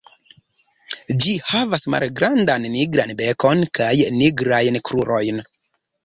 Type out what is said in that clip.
Ĝi havas malgrandan nigran bekon kaj nigrajn krurojn.